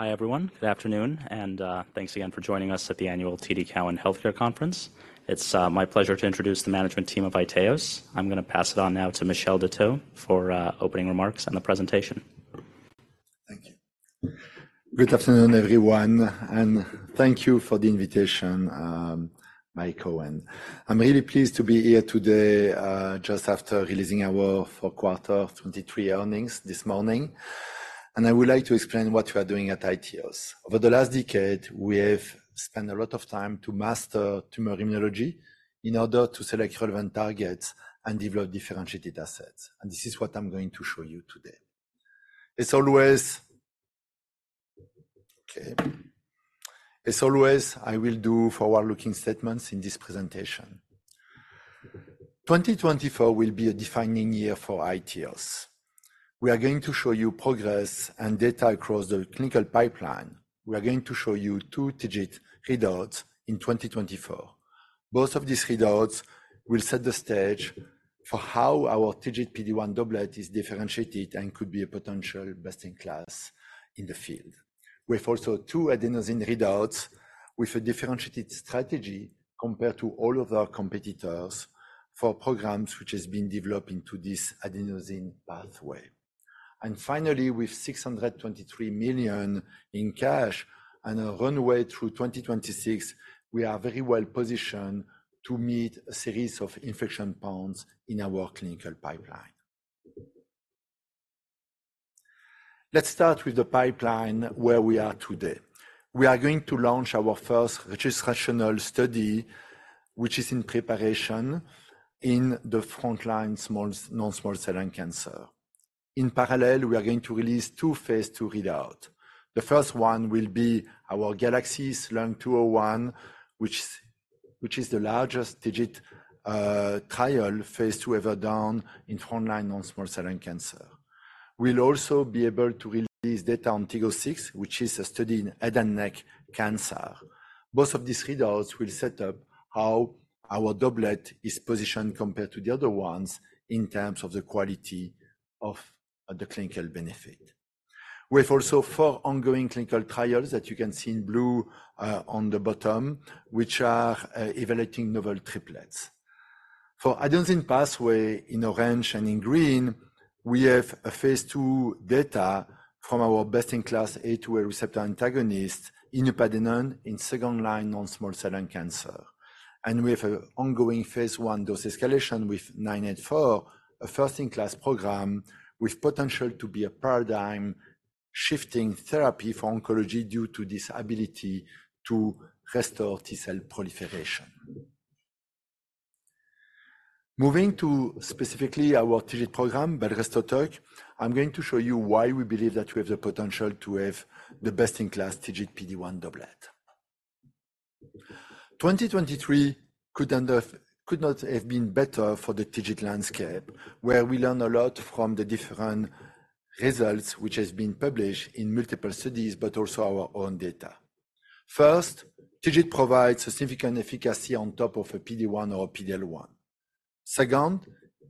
Hi everyone, good afternoon, and thanks again for joining us at the annual TD Cowen Healthcare Conference. It's my pleasure to introduce the management team of iTeos. I'm going to pass it on now to Michel Detheux for opening remarks and the presentation. Thank you. Good afternoon everyone, and thank you for the invitation, Mike Owen. I'm really pleased to be here today, just after releasing our fourth quarter 2023 earnings this morning, and I would like to explain what we are doing at iTeos. Over the last decade, we have spent a lot of time to master tumor immunology in order to select relevant targets and develop differentiated assets, and this is what I'm going to show you today. As always, I will do forward-looking statements in this presentation. 2024 will be a defining year for iTeos. We are going to show you progress and data across the clinical pipeline. We are going to show you two TIGIT readouts in 2024. Both of these readouts will set the stage for how our TIGIT PD-1 doublet is differentiated and could be a potential best-in-class in the field. We have 2 adenosine readouts with a differentiated strategy compared to all of our competitors for programs which have been developed into this adenosine pathway. Finally, with $623 million in cash and a runway through 2026, we are very well positioned to meet a series of inflection points in our clinical pipeline. Let's start with the pipeline where we are today. We are going to launch our first registrational study, which is in preparation, in the frontline squamous non-small cell lung cancer. In parallel, we are going to release 2 phase 2 readouts. The first one will be our GALAXIES Lung-201, which is the largest TIGIT trial phase 2 ever done in frontline non-small cell lung cancer. We'll also be able to release data on TIG-006, which is a study in head and neck cancer. Both of these readouts will set up how our doublet is positioned compared to the other ones in terms of the quality of the clinical benefit. We have also four ongoing clinical trials that you can see in blue, on the bottom, which are evaluating novel triplets. For adenosine pathway, in orange and in green, we have a phase two data from our best-in-class A2A receptor antagonist inupadenant in second-line non-small cell lung cancer. And we have an ongoing phase one dose escalation with 984, a first-in-class program with potential to be a paradigm shifting therapy for oncology due to this ability to restore T-cell proliferation. Moving to specifically our TIGIT program, belrestotug, I'm going to show you why we believe that we have the potential to have the best-in-class TIGIT PD-1 doublet. 2023 could not have been better for the TIGIT landscape, where we learn a lot from the different results which have been published in multiple studies, but also our own data. First, TIGIT provides significant efficacy on top of a PD-1 or a PD-L1. Second,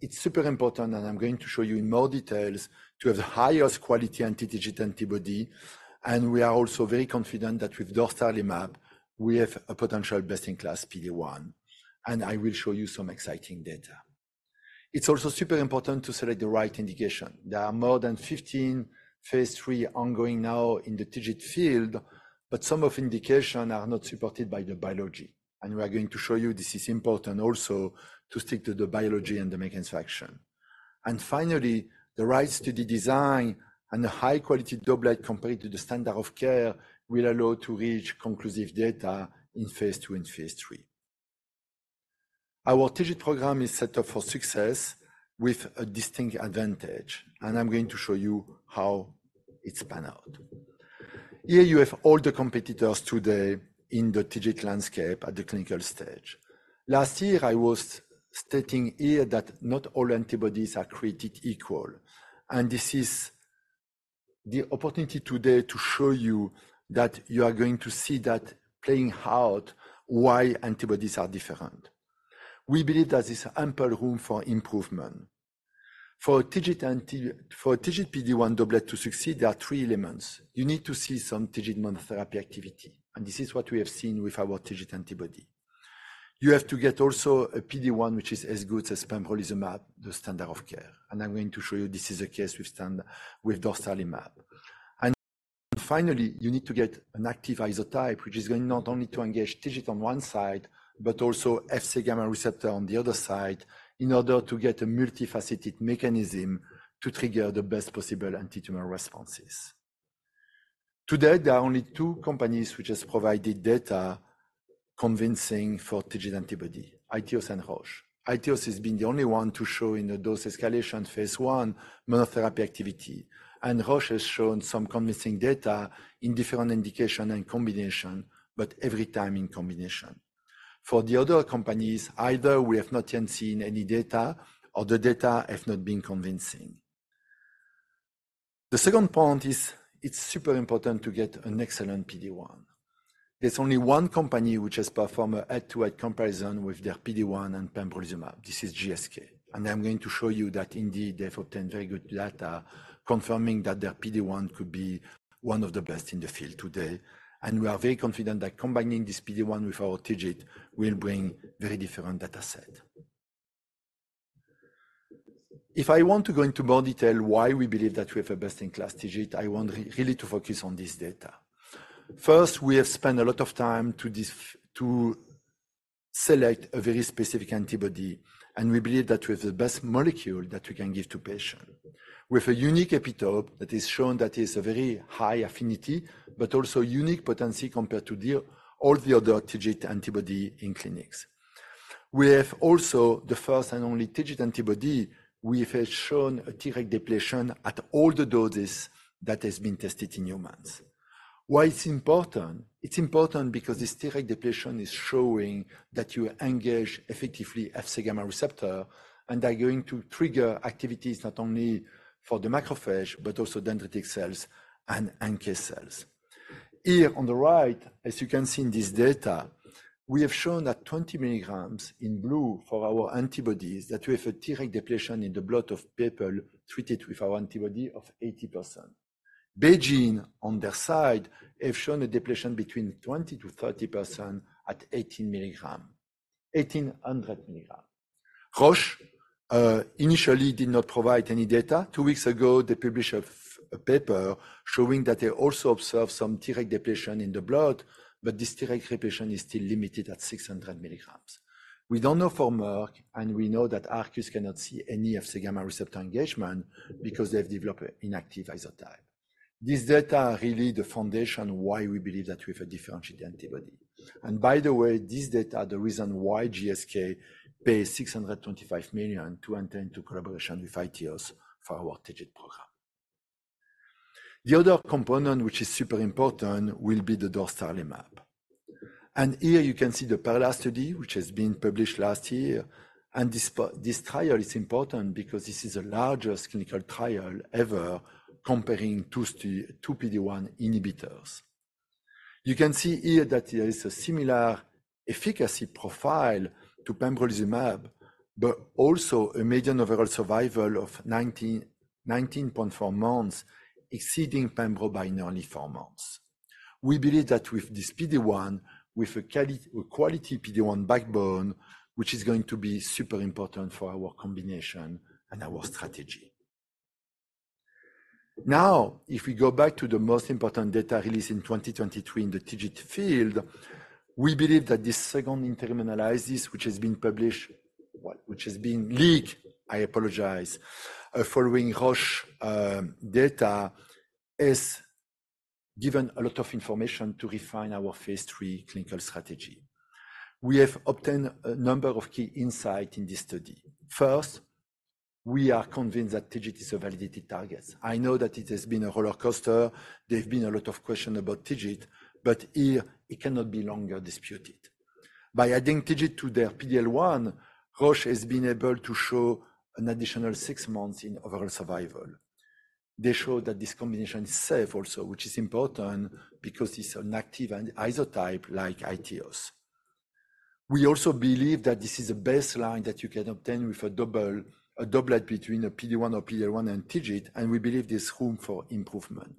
it's super important, and I'm going to show you in more details, to have the highest quality anti-TIGIT antibody. And we are also very confident that with dostarlimab, we have a potential best-in-class PD-1, and I will show you some exciting data. It's also super important to select the right indication. There are more than 15 phase 3 ongoing now in the TIGIT field, but some of the indications are not supported by the biology. And we are going to show you this is important also to stick to the biology and the manufacturing. Finally, the right study design and the high-quality doublet compared to the standard of care will allow to reach conclusive data in phase 2 and phase 3. Our TIGIT program is set up for success with a distinct advantage, and I'm going to show you how it's pan out. Here you have all the competitors today in the TIGIT landscape at the clinical stage. Last year, I was stating here that not all antibodies are created equal. This is the opportunity today to show you that you are going to see that play out why antibodies are different. We believe that there's ample room for improvement. For anti-TIGIT PD-1 doublet to succeed, there are three elements. You need to see some TIGIT monotherapy activity, and this is what we have seen with our TIGIT antibody. You have to get also a PD-1 which is as good as pembrolizumab, the standard of care. I'm going to show you this is a case with standard with dostarlimab. Finally, you need to get an active isotype, which is going not only to engage TIGIT on one side, but also Fc gamma receptor on the other side in order to get a multifaceted mechanism to trigger the best possible antitumor responses. Today, there are only two companies which have provided data convincing for TIGIT antibody: iTeos and Roche. iTeos has been the only one to show in the dose escalation phase 1 monotherapy activity. And Roche has shown some convincing data in different indication and combination, but every time in combination. For the other companies, either we have not yet seen any data, or the data have not been convincing. The second point is it's super important to get an excellent PD-1. There's only one company which has performed a head-to-head comparison with their PD-1 and pembrolizumab. This is GSK. I'm going to show you that, indeed, they have obtained very good data confirming that their PD-1 could be one of the best in the field today. We are very confident that combining this PD-1 with our TIGIT will bring very different dataset. If I want to go into more detail why we believe that we have a best-in-class TIGIT, I want really to focus on this data. First, we have spent a lot of time to this to select a very specific antibody, and we believe that we have the best molecule that we can give to patients with a unique epitope that is shown that is a very high affinity, but also unique potency compared to all the other TIGIT antibody in clinics. We have also the first and only TIGIT antibody which has shown a Treg depletion at all the doses that has been tested in humans. Why it's important? It's important because this Treg depletion is showing that you engage effectively Fc gamma receptor, and they're going to trigger activities not only for the macrophage, but also dendritic cells and NK cells. Here on the right, as you can see in this data, we have shown that 20 milligrams in blue for our antibodies that we have a Tregs depletion in the blood of people treated with our antibody of 80%. BeiGene, on their side, have shown a depletion between 20%-30% at 18 milligrams. 1,800 milligrams. Roche, initially did not provide any data. Two weeks ago, they published a paper showing that they also observed some Tregs depletion in the blood, but this Tregs depletion is still limited at 600 milligrams. We don't know for Merck, and we know that Arcus cannot see any Fc gamma receptor engagement because they have developed an inactive isotype. This data are really the foundation why we believe that we have a differentiated antibody. By the way, this data are the reason why GSK paid $625 million to enter into collaboration with iTeos for our TIGIT program. The other component which is super important will be the dostarlimab. Here you can see the PERLA which has been published last year. This trial is important because this is the largest clinical trial ever comparing two PD-1 inhibitors. You can see here that there is a similar efficacy profile to pembrolizumab, but also a median overall survival of 19.4 months exceeding pembrolizumab four months. We believe that with this PD-1, with a quality PD-1 backbone, which is going to be super important for our combination and our strategy. Now, if we go back to the most important data released in 2023 in the TIGIT field, we believe that this second interim analysis, which has been published, which has been leaked, I apologize, following Roche data has given a lot of information to refine our phase 3 clinical strategy. We have obtained a number of key insights in this study. First, we are convinced that TIGIT is a validated target. I know that it has been a roller coaster. There have been a lot of questions about TIGIT, but here, it cannot be longer disputed. By adding TIGIT to their PD-L1, Roche has been able to show an additional six months in overall survival. They show that this combination is safe also, which is important because it's an active isotype like iTeos. We also believe that this is a baseline that you can obtain with a doublet between a PD-1 or PD-L1 and TIGIT, and we believe there's room for improvement.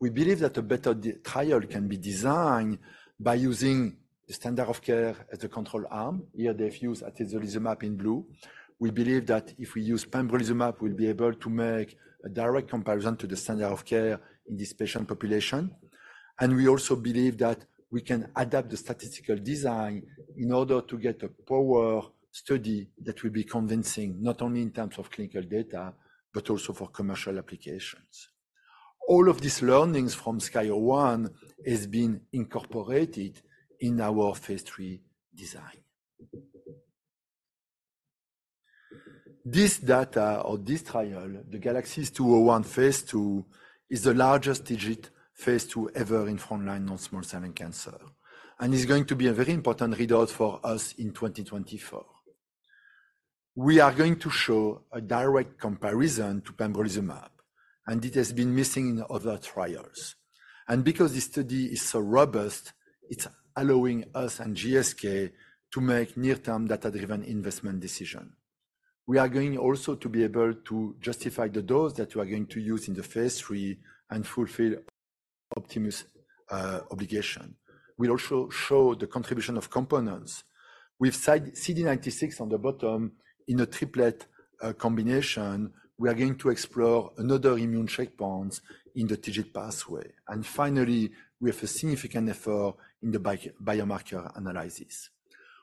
We believe that a better trial can be designed by using the standard of care as a control arm. Here, they have used atezolizumab in blue. We believe that if we use pembrolizumab, we'll be able to make a direct comparison to the standard of care in this patient population. And we also believe that we can adapt the statistical design in order to get a power study that will be convincing not only in terms of clinical data, but also for commercial applications. All of these learnings from SKYSCRAPER-01 have been incorporated in our phase 3 design. This data or this trial, the GALAXIES Lung-201 phase 2, is the largest TIGIT phase 2 ever in frontline non-small cell lung cancer. It's going to be a very important readout for us in 2024. We are going to show a direct comparison to pembrolizumab. It has been missing in other trials. Because this study is so robust, it's allowing us and GSK to make near-term data-driven investment decisions. We are also going to be able to justify the dose that we are going to use in the phase 3 and fulfill Project Optimus obligation. We'll also show the contribution of components. With CD96 on the bottom in a triplet combination, we are going to explore another immune checkpoints in the TIGIT pathway. Finally, we have a significant effort in the biomarker analysis.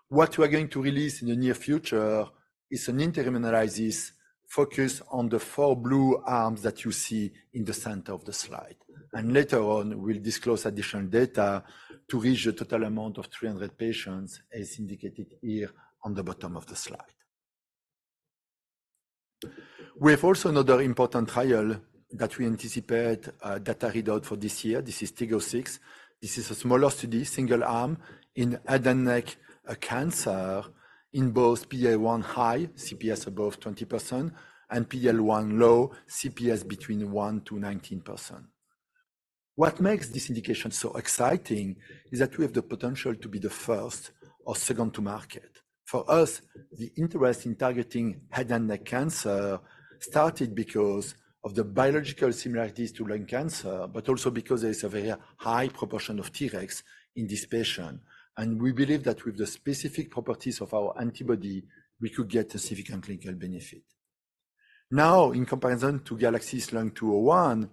What we are going to release in the near future is an interim analysis focused on the four blue arms that you see in the center of the slide. Later on, we'll disclose additional data to reach a total amount of 300 patients as indicated here on the bottom of the slide. We have also another important trial that we anticipate a data readout for this year. This is TIG-006. This is a smaller study, single arm, in head and neck cancer in both PD-L1 high, CPS above 20%, and PD-L1 low, CPS between 1%-19%. What makes this indication so exciting is that we have the potential to be the first or second to market. For us, the interest in targeting head and neck cancer started because of the biological similarities to lung cancer, but also because there is a very high proportion of Tregs in this patient. We believe that with the specific properties of our antibody, we could get a significant clinical benefit. Now, in comparison to GALAXIES Lung-201,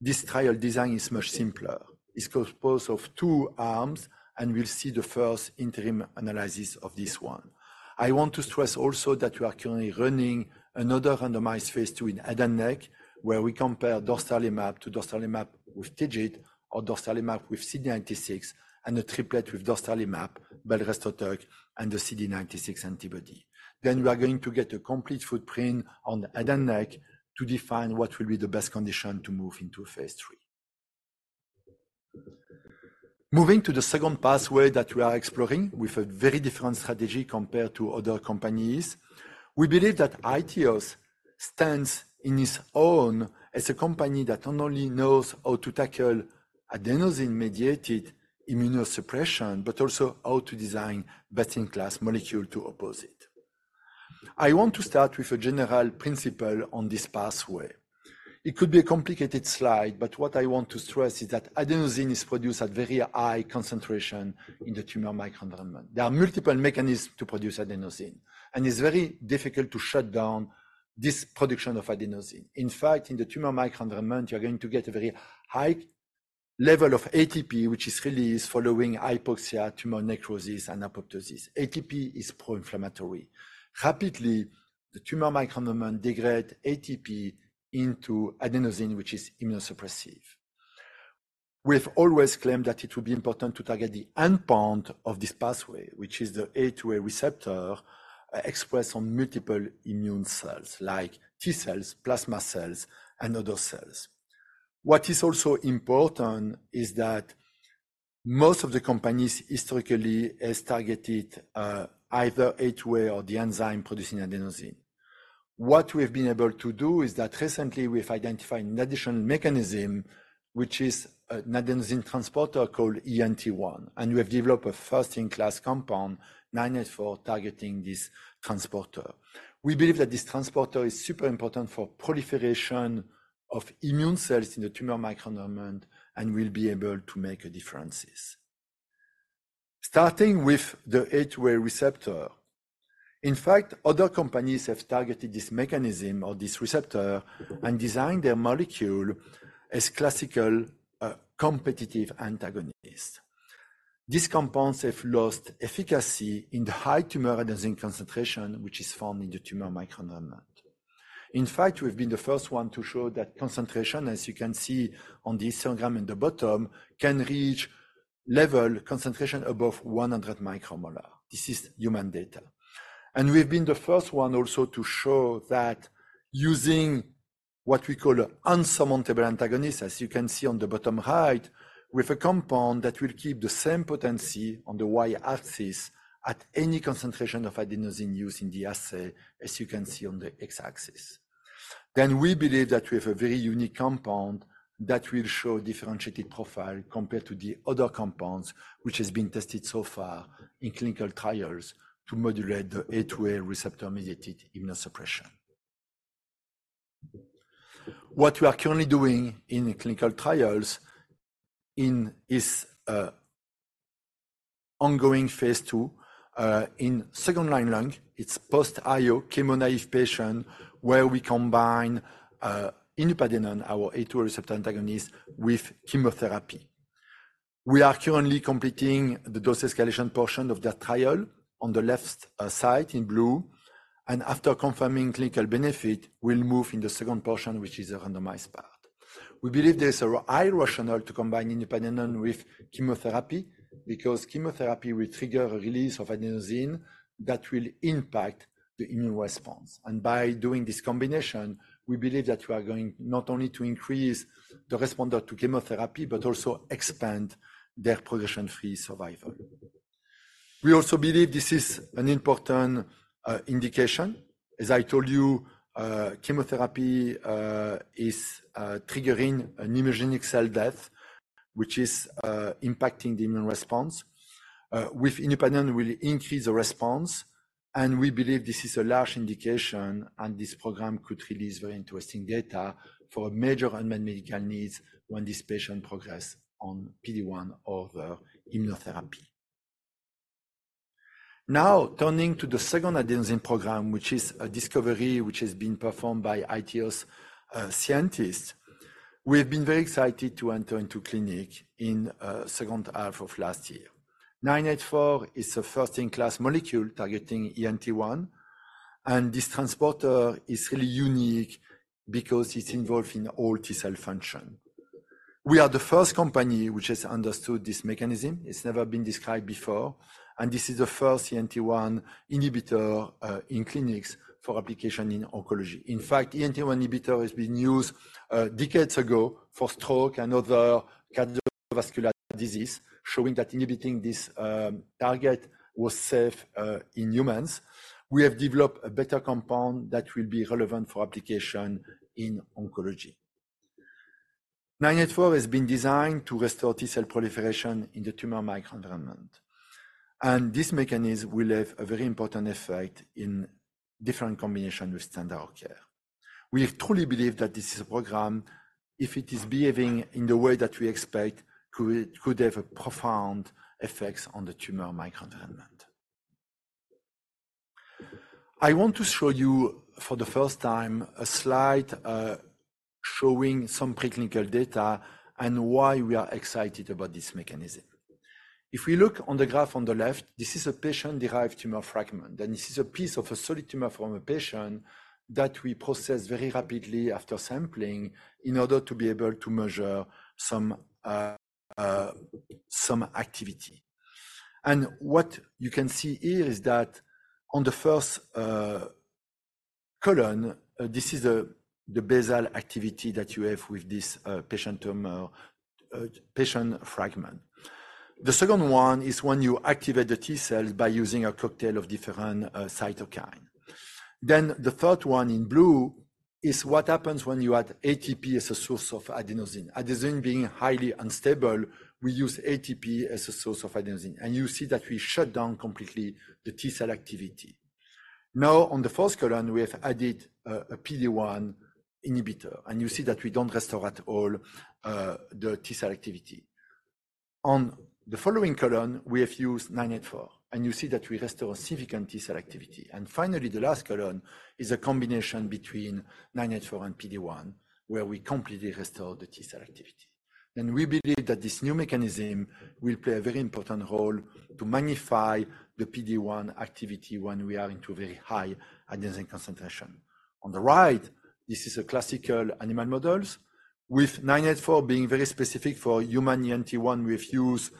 this trial design is much simpler. It's composed of two arms, and we'll see the first interim analysis of this one. I want to stress also that we are currently running another randomized phase 2 in head and neck, where we compare dostarlimab to dostarlimab with TIGIT or dostarlimab with CD96 and a triplet with dostarlimab, belrestotug, and the CD96 antibody. We are going to get a complete footprint on head and neck to define what will be the best condition to move into phase three. Moving to the second pathway that we are exploring with a very different strategy compared to other companies. We believe that iTeos stands in its own as a company that not only knows how to tackle adenosine-mediated immunosuppression, but also how to design best-in-class molecule to oppose it. I want to start with a general principle on this pathway. It could be a complicated slide, but what I want to stress is that adenosine is produced at very high concentration in the tumor microenvironment. There are multiple mechanisms to produce adenosine. It's very difficult to shut down this production of adenosine. In fact, in the tumor microenvironment, you're going to get a very high level of ATP, which is released following hypoxia, tumor necrosis, and apoptosis. ATP is pro-inflammatory. Rapidly, the tumor microenvironment degrades ATP into adenosine, which is immunosuppressive. We have always claimed that it will be important to target the endpoint of this pathway, which is the A2A receptor, expressed on multiple immune cells like T cells, plasma cells, and other cells. What is also important is that most of the companies historically have targeted, either A2A or the enzyme producing adenosine. What we have been able to do is that recently, we have identified an additional mechanism, which is an adenosine transporter called ENT1. And we have developed a first-in-class compound, 984, targeting this transporter. We believe that this transporter is super important for proliferation of immune cells in the tumor microenvironment and will be able to make differences. Starting with the A2A receptor. In fact, other companies have targeted this mechanism or this receptor and designed their molecule as classical, competitive antagonists. These compounds have lost efficacy in the high tumor adenosine concentration, which is found in the tumor microenvironment. In fact, we have been the first one to show that concentration, as you can see on this diagram in the bottom, can reach level concentration above 100 micromolar. This is human data. And we have been the first one also to show that using what we call an insurmountable antagonist, as you can see on the bottom right, with a compound that will keep the same potency on the Y-axis at any concentration of adenosine used in the assay, as you can see on the X-axis. Then we believe that we have a very unique compound that will show a differentiated profile compared to the other compounds which have been tested so far in clinical trials to modulate the A2A receptor-mediated immunosuppression. What we are currently doing in clinical trials in this, ongoing phase two, in second-line lung, it's post-IO chemo-naive patients where we combine, inupadenant, our A2A receptor antagonist, with chemotherapy. We are currently completing the dose escalation portion of that trial on the left side, in blue. After confirming clinical benefit, we'll move in the second portion, which is the randomized part. We believe there's a high rationale to combine inupadenant with chemotherapy because chemotherapy will trigger a release of adenosine that will impact the immune response. And by doing this combination, we believe that we are going not only to increase the response to chemotherapy, but also expand their progression-free survival. We also believe this is an important indication. As I told you, chemotherapy is triggering an immunogenic cell death, which is impacting the immune response. With inupadenant, we'll increase the response. And we believe this is a large indication. And this program could release very interesting data for major unmet medical needs when this patient progresses on PD-1 or their immunotherapy. Now, turning to the second adenosine program, which is a discovery which has been performed by iTeos scientists. We have been very excited to enter into clinic in the second half of last year. EOS-984 is a first-in-class molecule targeting ENT1. This transporter is really unique because it's involved in all T cell function. We are the first company which has understood this mechanism. It's never been described before. This is the first ENT1 inhibitor in clinics for application in oncology. In fact, ENT1 inhibitor has been used decades ago for stroke and other cardiovascular diseases, showing that inhibiting this target was safe in humans. We have developed a better compound that will be relevant for application in oncology. EOS-984 has been designed to restore T cell proliferation in the tumor microenvironment. This mechanism will have a very important effect in different combinations with standard of care. We truly believe that this is a program, if it is behaving in the way that we expect, could have profound effects on the tumor microenvironment. I want to show you for the first time a slide, showing some preclinical data and why we are excited about this mechanism. If we look on the graph on the left, this is a patient-derived tumor fragment. And this is a piece of a solid tumor from a patient that we process very rapidly after sampling in order to be able to measure some activity. And what you can see here is that on the first column, this is the basal activity that you have with this patient tumor, patient fragment. The second one is when you activate the T cells by using a cocktail of different cytokines. Then the third one in blue is what happens when you add ATP as a source of adenosine. Adenosine being highly unstable, we use ATP as a source of adenosine. And you see that we shut down completely the T cell activity. Now, on the fourth column, we have added a PD-1 inhibitor. And you see that we don't restore at all the T cell activity. On the following column, we have used 984. And you see that we restore significant T cell activity. And finally, the last column is a combination between 984 and PD-1 where we completely restore the T cell activity. And we believe that this new mechanism will play a very important role to magnify the PD-1 activity when we are into very high adenosine concentration. On the right, this is a classical animal models. With EOS-984 being very specific for human ENT1, we have used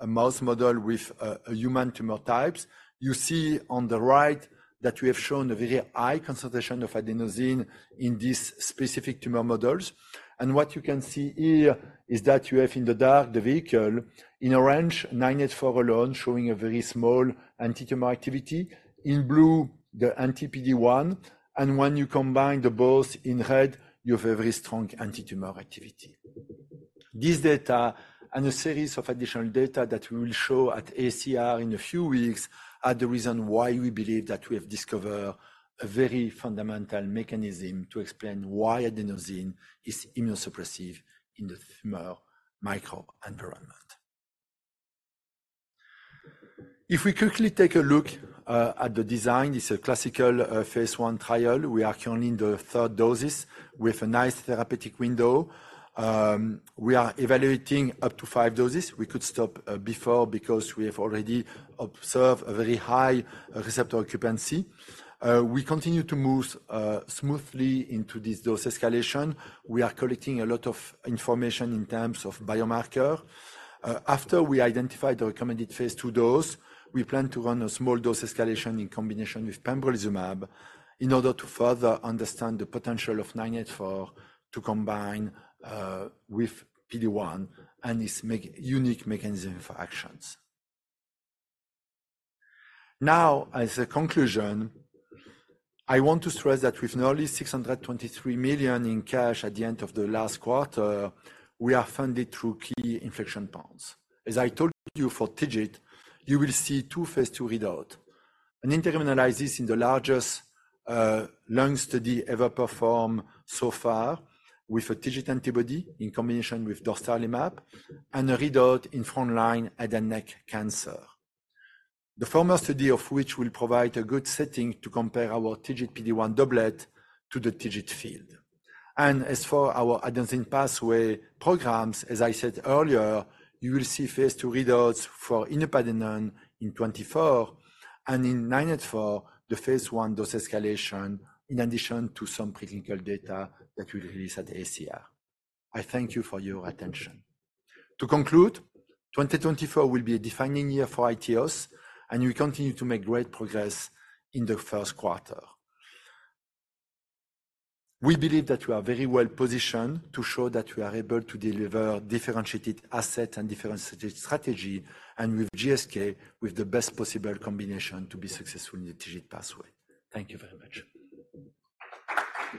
a mouse model with a human tumor types. You see on the right that we have shown a very high concentration of adenosine in these specific tumor models. And what you can see here is that you have in the dark, the vehicle, in orange, EOS-984 alone, showing a very small antitumor activity. In blue, the anti-PD-1. And when you combine the both in red, you have a very strong antitumor activity. This data and a series of additional data that we will show at AACR in a few weeks are the reason why we believe that we have discovered a very fundamental mechanism to explain why adenosine is immunosuppressive in the tumor microenvironment. If we quickly take a look at the design, it's a classical phase 1 trial. We are currently in the third dose with a nice therapeutic window. We are evaluating up to five doses. We could stop before because we have already observed a very high receptor occupancy. We continue to move smoothly into this dose escalation. We are collecting a lot of information in terms of biomarker. After we identified the recommended phase two dose, we plan to run a small dose escalation in combination with pembrolizumab in order to further understand the potential of 984 to combine with PD-1 and its unique mechanism for actions. Now, as a conclusion, I want to stress that with nearly $623 million in cash at the end of the last quarter, we are funded through key inflection points. As I told you for TIGIT, you will see two phase two readouts. An interim analysis in the largest lung study ever performed so far with a TIGIT antibody in combination with dostarlimab and a readout in front-line head and neck cancer. The former study of which will provide a good setting to compare our TIGIT PD-1 doublet to the TIGIT field. And as for our adenosine pathway programs, as I said earlier, you will see phase 2 readouts for inupadenant in 2024. And in EOS-984, the phase 1 dose escalation in addition to some preclinical data that we release at AACR. I thank you for your attention. To conclude, 2024 will be a defining year for iTeos. And we continue to make great progress in the first quarter. We believe that we are very well positioned to show that we are able to deliver differentiated assets and differentiated strategy and with GSK with the best possible combination to be successful in the TIGIT pathway. Thank you very much.